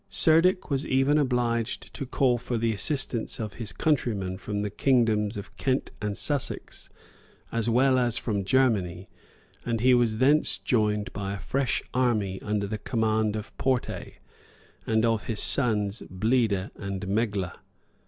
Cerdic was even obliged to call for the assistance of his countrymen from the kingdoms of Kent and Sussex, as well as from Germany, and he was thence joined by a fresh army under the command of Porte, and of his sons Bleda and Megla.